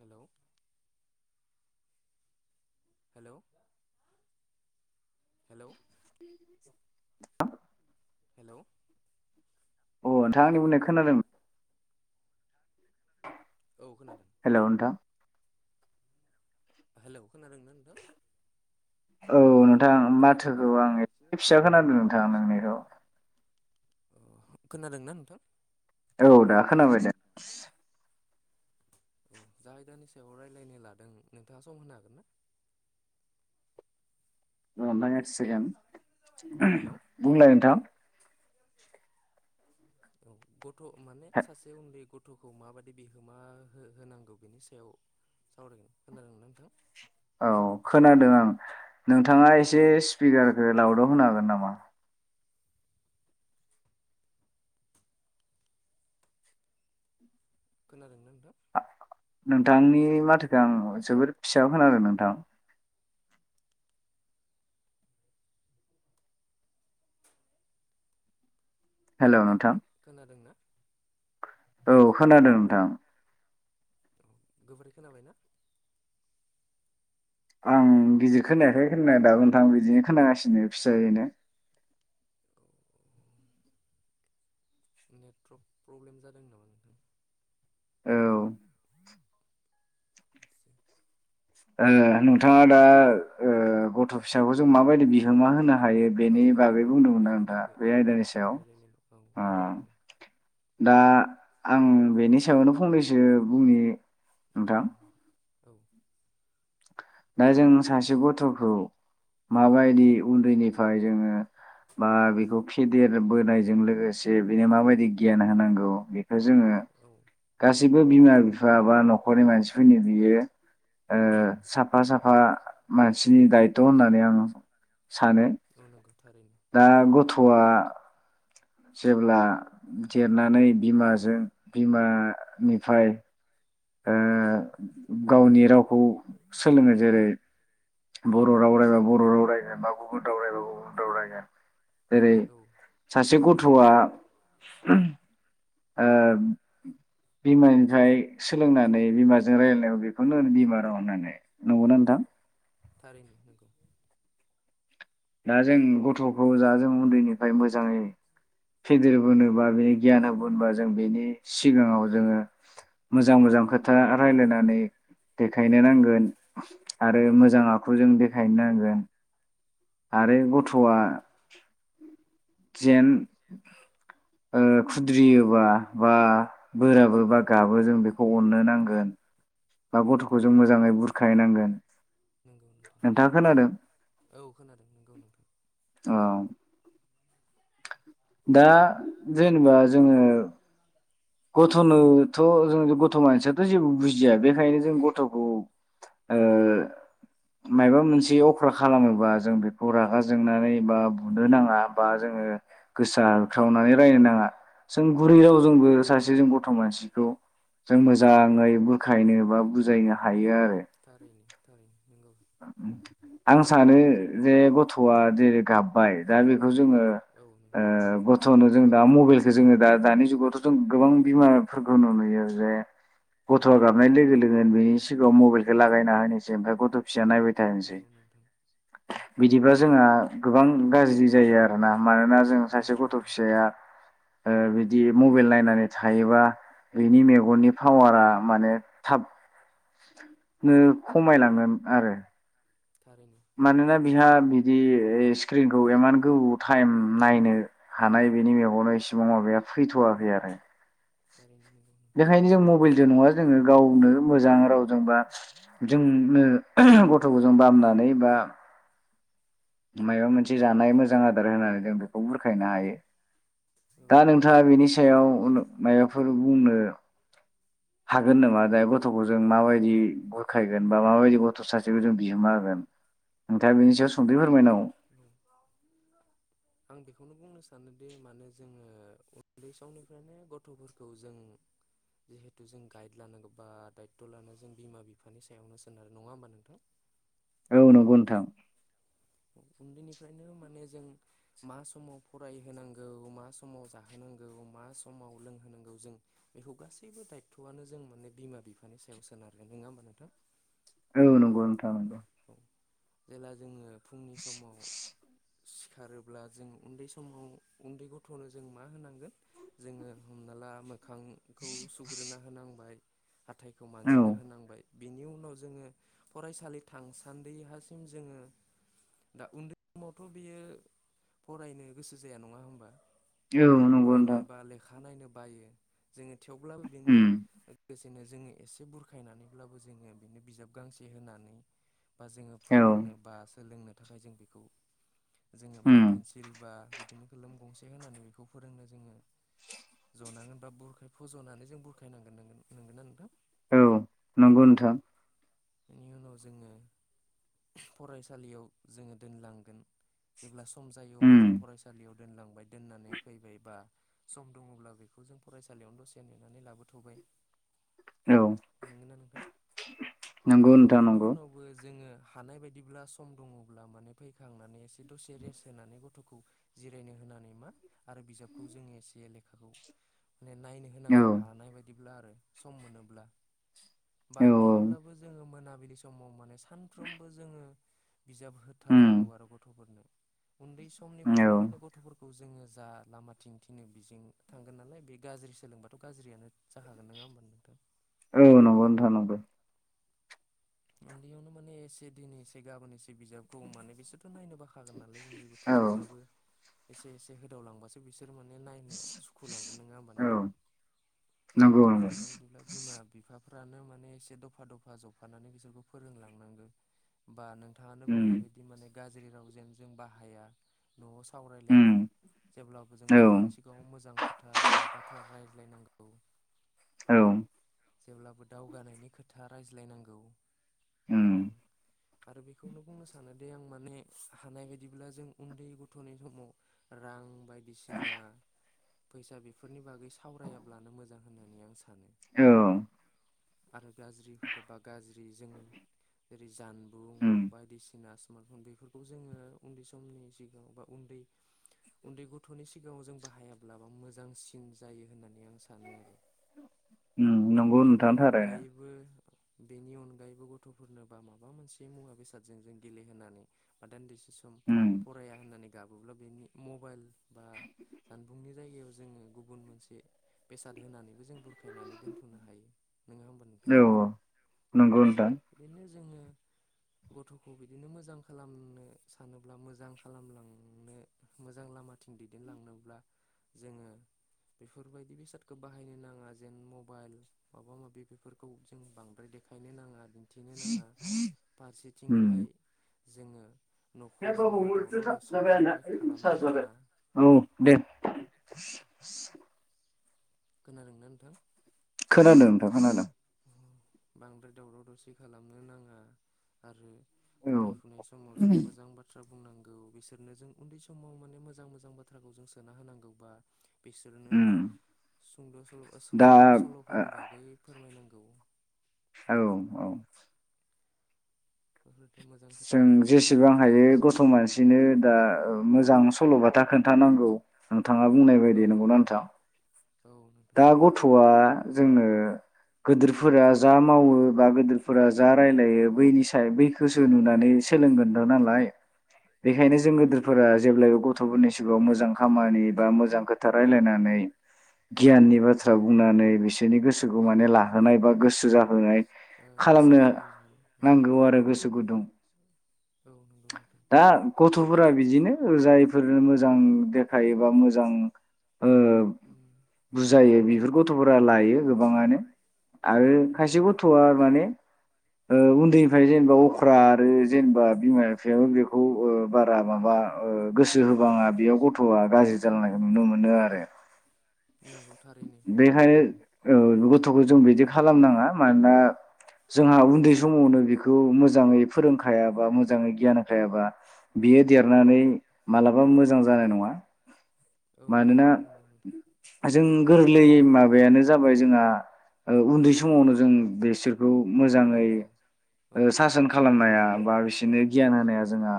हेल' हेल' [unintelligible] हेल' अ नोंथां आंनि बुंनायखौ खोनादों? औ खोनादों। हेल' नोंथां हेलौ खोनादोंना नोंथां औ नोंथां खोनादोंना माथोखौ आं एसे फिसा खोनादों नोंथां नोंनिखौ अ खोनादोंना नोंथां औ दा खोनाबाय दे औ जाय आयदानि सायाव राय्लायनो लादों नोंथाङा सम होनो हागोन ना? र दै एक सेकेन्ड हेलौ बुंलाय नोंथां औ गथ' माने सा उन्दै गथ' खौ माबायदि बिहोमा हो होनांगौ बेनि सायाव सावरायगोन नोंथां औ खोनादों आं नोंथाङा एसे एसे स्पिकारखौ लाउदाव होनो हागोन नामा? खोनादोंना नोंथां? नोंथांनि माथोखो आं जोबोर फिसा खोनादों नोंथां हेलौ नोंथां खोनादोंना औ खोनादों नोंथां औ गोबोरै खोनाबायना? आं गिदिर खोनायाखै खोननाया दाबो नोंथां बिदिनो खोनागासिनो फिसायैनो नेतट्रक प्रब्लेम जादों नामा नोंथां? औ [inaudible] ओ नोंथाङा दा ओ गथ' फिसाखौ जों माबायदि बिहोमा होनो हायो औ बेनि बागै बिहोमा होनो बुंदों मोनना बेनि नोंथाङा बागै औ बे आयदा बेनि नि सायाव सोमोन्दै रायलायनो औ आयदानि उम सायाव दा आं बेनि सा यावनो फंनैसो बुंनि औ नोंथां औ दा जों सासे गथ'खौ माबायदि उन्दैनिफाय जोङो बा बेखौ फेदेरबोनायजों लोगोसे बेनो माबायदि गियान होनांगौ बेख जोङो औ गासैबो बिमा बिफा बा न'खरनि मानसिफोरनि बियो ओ साथ फा साफा मानसिनि दायथ' होननानै आं सानो औ नंगौ थारैनो दा गथ'आ जेब्ला देरनानै बिमाजों बिमानिफाय ओ गावनि राव खौ सोलोङो जेरै बर' राव रायबा बर' राव रायगोन बा गुबुन राव रायबा गुबुन राव रायगोन जेरै औ सासे गथ'आ ओ बिमा निफ्राय सोलोंनानै बिमाजों रायलायनायाव बेखौनो होन बिमा राव होननानै नंगौना नोंथां थारैनो नोंगौ दा जों गथ'खौ जा जों उन्दैनिफाय मोजाङै फेदेरबोनोबा बे गियान होबोनबा जों बेनि सिगाङाव जोङो मोजां मोजां खोथा रायलायनानै देखायनो नांगोन आरो मोजां आखु जों देखाय नांगोन। आरो गथ'आ जेन ओ खुद्रियोबा बा बोराबो बा गाबो जों बेखौ अननो नांगोन बा गथ'खौ जों थारैनो मोजाङै बुरखायनांगोन नंगौ नोंथां नोंथाङा खोनादों? औ खोनादों नोंगौ नोंथां औ दा जेनबा जोङो गथ'नोथ' जों गथ' मानसियाथ जेबो बुजिया बेखायनो जों गथ'खौ ओ मायबा मोनसे अख्रा खालामोबा जों बेखौ रागा जोंनानै बा बुनो नाङा। बा जोङो गोसा होख्रावनानै रायनो नाङा। जों गुरै रावजोंबो सासे जों गथ' मानसिखौ जों मोजाङै बुरखायनो बा बुजायनो हायो आरो। थारैनो- थारैनो नंगौ आं सानो जे गथ'आ जेरै गाबाय दा बे खौ जोङो औ ओ नोंथां गथ'नो जों दा मबाइलखौ जोङो दा दानि जुगाव जों गोबां बिमाफोरखौ नुयो जे गथ' नंगौ गाबनाय लोगो-लोगोनो बेनि सिगाङाव मबाइल लागायना होनोसै ओमफ्राय गथ' फिासाया नायबाय थानोसै। नंगौ नोंथां बिदिबा जोंहा गोबां गाज्रि जायो आरोना मानोना जों सासे नंगौ गथ' नोंथां फिसाया थारैनो ओ बिदि मबाइल नायनानै थायोबा बेनि मेगननि पावारा माने थाबनो खमायलांना आरो [inaudible] मानोना बिहा बिदि स्क्रिनखौ इमान गोबौ टाइम नायनो हानाय बेनि मेगननो इसेबां माबाया फैथ'वाखै आरो थारैनो नंगौ नोंथां बेखायनो जों मबाइलजों नङा जोङो गावनो मोजां रावजोंबा जोंनो गथ'खौजों बामनानै बा मायबा मोनसे जानाय मोजां आदार होनानै जों बेखौ बुरखायनो हायो। औ दा नोंथाङा नोंथां बेनि सायाव मायबाफोर बुंनो हागोन नामा? दा गथ'खौ जों माबायदि बुरखायगोन बा माबायदि गथ' सासेखौ जों बिहोमा होगोन नोंथाङा बेनि सायाव सुंदै फोरमायनांगौ आं बेखौनो बुंनो सानो सानोदि मानो जोङो उन्दै समनिफ्रायनो गथ'फोरखौ जों जिहेथु जों गाइड लानांगौ बा दायथ' लानान जों बिमा बिफानि सायावनो सोनार नङा होमबा नोंथां। औ नंगौ नोंथां। उन्दैनिफ्रायनो माने जों मा समाव फरायहोनांगौ, मा समाव जाहोनांगौ, मा समाव लोंहोनांगौ जों बेखौ गासैबो दायथ'आनो जों माने बिमा- बिफानि सायाव सोनारगोन नङा होमबा नोंथां? औ नंगौ नोंथां नंगौ। जेला जोङो फुंनि समाव सिखारोब्ला जों उन्दै समाव उन्दै गथ'नो जों मा होनांगोन जोङो हमना ला मो मोखांखौ सुग्रोना होनांबाय हाथाय खौ औ मानजिना होनांबाय बिनि उनाव जोङो फरायसालिआव थांसान्दि हासिम जोङो दा उन्दै समावथ' बियो फरायनो गोसो जाया नङा होमबा नंगौ फरायनो नोंथां बा लेखा नायनो बायो जोङो थेवब्लाबो बेनि उम बिदिनो जोङो एसे बुरखायनानैब्लाबो जोङो बिनो बिजाब गांसे होनानै बा जोङो औ फोरोंनो बा सोलोंनो थाखाय जों बेखौ जोङो बा उम पेन्सिल बा बिदिनो खोलोम गंसे होनानै बेखौ फोरोंनो जोङो जनांगोन बा बुरखाय फज'नानै जों बुरखायनांगोन नों नंगोना नोंथां औ नंगौ नोंथां बेनि उनाव जोङो फरायसालियाव जोङो दोनलांगोन जेब्ला सम जायो अब्ला जों उम फरायसालियाव दोनलांबाय दोननानै फैबाय बा सम दङब्ला बेखौ जों फरायसालियावनो दसे नेनानै लाबोथ'बाय औ नोंगोना नोंथां नंगौ नोंथां लाबखांनायनि नंगौ उनावबो जोङो हानाय बायदिब्ला सम दङब्ला माने फैखांनानै एसे दसे रेस्ट होनानै गथ'खौ जिरायनो होनानै मा आरो बिजाबखौ जोंङो एसे लेखाखौ नायनो औ होनांगौ हानाय बायदि ब्ला आरो सम मोनोब्ला बा औ हायाब्लाबो मोनाबिलि समाव माने सानफ्रोमबो जोङो बिजाब उम होथारनांगौ आरो गथ'फोरनो उन्दै औ समनिफ्रायनो माने औ गथ'फोरखौ जोङो जा लामाथिं थिनो बेजों थांगोन नालाय बे गाज्रि सोलोंबाथ' गाज्रियानो जाखागोन नङा होमबानो नोंथां औ नंगौ नोंथां नंगौ उन्दैयावनो माने एसे दिनै एसे गाबोन एसे बे बिजाबखौ माने बिसोरथ' नायनो बाखागोन नालाय उन्दै गथ'आ औ थेवब्लाबो एसे एसे होदावलांबासो बिसोर बिसोर माने नायनो सुखु लांगोन नंङा होमबा औ नोंथां नंगौ बिदिनो नंगौ हानाय बायदिब्ला बिमा बिफा फ्रानो माने एसे दफा दफा जफानानै बिरखौ फोरोंलांनांगो बा नों थांङानो उम बुंनाय बायदि माने गाज्रि रावजों जों बाहाया न'आव सावरायलाया उम जेब्लाबो जों औ गथ'नि सिगाङाव मोजां खोथा बा बाथ्रा रायज्लायनांगौ औ जेब्लाबो दावगानायनि खोथा रायज्लायनांगौ उम औ आरो बेखौनो बुंनो सानोदि आं माने हानाय बायदिब्ला जों उन्दै गथ'नि समाव रां बायदिसिना फैसा बेफोरनि बागै सावरायाब्लानो मोजां होननानै आं सानो औ आरो गाज्रि खोथा बा गाज्रि जों जानबुं उम बायदिसिना स्मार्टफन बेफोरखौ जोङो उन्दै समनि सिगाङाव बा उन्दै उन्दै गथ'नि सिगाङाव जों बाहायाब्ला बा मोजांसिन जायो होननानै आं सानो आरो उम नंगौ बेनि नोंथां थारैनो अनगायैबो बेनि उन अनगायैबो गथ'फोरनोबा माबा मोनसे मुवा बेसादजों जों गेलेहोनानै ब दान्दिसे सम उम फराया होननानै गाबोब्ला बेनि मबाइल बा जानबुंनि जायगायाव जोङो गुबुन मोनसे बेसाद होनानै खौ जों बुरखायनानै दोनथ'नो हायो नोङा होनबा नोंथां? नगौ नोंथां बिदिनो जोङो गथ'खौ बिदिनो मोजांनो खालामनो सानोब्ला मोजां खालामलांनो मोजां लामाथिं दैदेनलांनोब्ला जोङो बेफोरबायदि बेसादखौ बाहायनो नाङा जेन मबाइल माबा माबि बेफोरखौ जों बांद्रायै खायनो नाङा आरो दिन्थिनो नाङा फारसेथिंहाय जोङो ह हबा न'खराव बा दावराव हथ' दावसि जाबाय आंना बांद्राय इ खालामनो सार जाबाय नाङा औ दे। ब [unintelligible] खोनादोंना नोंथां खोनादों नोंथां खोनादों। बांद्राय दावराव दावसि खालामनो नाङा आरो औ फरायफुनाय समाव जों मोजां बाथ्रा बुंनांगौ बिसोरनो जों उन्दै समाव माने मोजां मोजां बाथ्राखौ जों सोना होनांगौ बा बिसोरनो उम सुंद' सल' दा सल' सल'फोरनि बागै फोरमायनांगौ। द [unintelligible] औ औ ब [unintelligible] जों जेसेबां हायो गथ' खोन्थानांगौ मानसिनो दा मोजां सल'बाथाखोन। थानांगौ नोंथाङा बुंनाय औ बायदि नंगौना नोंथां? औ दा गथ'आ जोंनो गिदिरफोरा जा मावो बा गदिरफोरा जा रायलायो बैनि साया फाइ औ नोंथां औ बैखौसो नंगौ नुनानै नोंथां सोलोंगोन दा नालाय बेखायनो औ जों नंगौ गोदोरफोरा जेब्लायबो गथ'फोरनि सिगाङाव मोजां खामानि बा मोजां खोथा रायजलायनानै नंगौ गियाननि नोंथां। बाथ्रा बुंनानै बिसोर नि गोसोखौ माने लाहोनाय बा गोसो जाहोनाय ओ गोसो खालामनो बोहोनो हानाय उम नांगौ आरो गोसो गुदुं। औ नंगौ नोंथां दा गथ'फोरा बिदिनो जाय बेफोरनो मोजां देखायोबा मोजां ओ उम। बुजायो बेफोर गथ'फोरा लायो गोबाङानो आरो उम खायसे गथ'आ माने ओ उन्दैनिफ्राय जेनेबा अख्रा आरो जेनेबा बिमा बिफायाबो बेखौ ओ बारा माबा ओ गोसो हो बाङा बेयाव गथ'आ गाज्रि जालांनायखौ नुनो मोनो। मोनो आरो। नंगौ थारैनो। ओ गथ'खौ जों बिदि खालामनाङा मानोना जोंहा उन्दै समावनो बिखौ मोजाङै फोरोंखायाबा, मोजाङै गियान होखायाबा, बियो देरनानै मालाबाबो मोजां जानाय नङा। औ मानोना थारैनो नंगौ नोंथां। जों गोरलै माबायानो जाबाय जोंहा उन्दै समावनो जों बेसोर खौ औ मोजाङै औ औ सासन खालामनाया बा बिसोरनि गियान होनाया जोंहा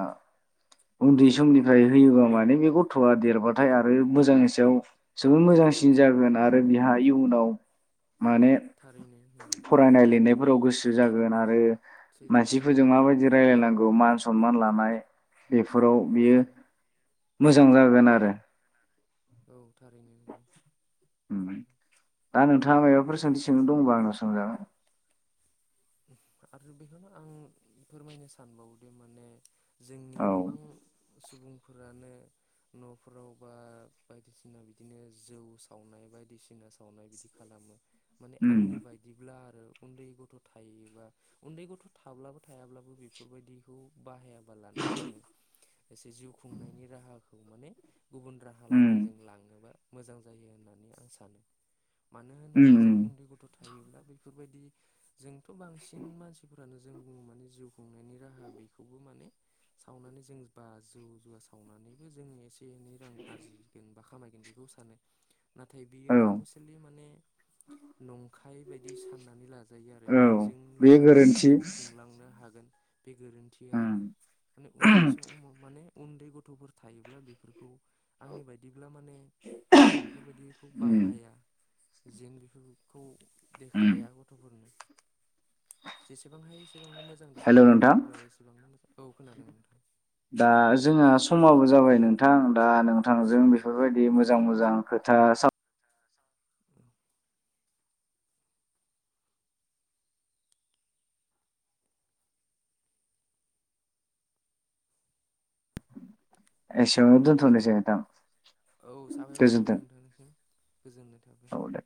उन्दै समनिफ्राय होयोबा माने बे गथ'आ देरबा थाय आरो मोजांनि सायाव जोबोद मोजांसिन जागोन आरो बिहा इयुनाव माने थारैनो उम। फरायनाय लिरनाय फोराव गोसो जागोन आरो सैथोखौनो मानसिफोरजों बुंदों माबायदि नोंथां। रायलायनांगौ मान सनमान लानाय [unintelligible] फोराव औ बियो मोजां जागोन आरो। औ थारै दा नोंथाङा माबाफोर सोंथि सोंनो दंबा आंनाव सोंजागोन। आरो बेखौनो आं फोरमायनो सानबावोदि माने जोंनि औ गोबां सुबुंफोरानो न'फोराव बा बायदिसिना बिदिनो जौ सावनाय बायदिसिना सावनाय बिदि खालामो। माने उम आंनि बायदिब्ला आरो उन्दै गथ' थायोबा उन्दै गथ' थाब्लाबो थायाब्लाबो बेफोरबायदिखौ बाहाया बालानो जोङो एसे जिउ खुंनायनि राहा माने गुबुन राहा उम लामाजों लाङोबा मोजां जायो होननानै आं सानो। मानो उम होनोब्ला जों उम उन्दै गथ' थायोब्ला बे बेफोरबायदि जों बांसिन मानसिफोरानो जों बुङो माने जिउ खुंनायनि राहा बेखौबो माने सावनानै जों बा जौ जुवा सावनानैबो जोङो एसे एनै रां आरजिगोन बा खामाय बेखौ सानो। नाथाय औ बियो अबिसिलि माने औ बेजोंल' बे माने गोरोन्थि जिउखौ खुंलांनो हागोन। बे गोरोन्थि आरो उम माने उन्दै समाव माने उन्दै गथ'फोर थायोब्ला बेफोरखौ आंनि बायदि ब्ला माने बेफोरबायदिखौ उम बाहाया। जेन बेफोरखौ उम देखाया गथ'फोरनो। जेसेबां हायो एसेबांनो मोजां हेल' देखायोबा नोंथां गथ'फोरा एसेबांनो मोजां औ खोनादों नोंथां। दा जोंहा समाबो जाबाय नोंथां दा नोंं नोंथांजों बेफोरबायदि मोजां मोजां खोथा सा एसेआवनो दोनथनोसै नोंथां। औ साबायखर थाबाय गोजोन्थों नोंथांनिसिम गोजोननाय थाबाय। औ दे।